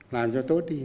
làm cho tốt đi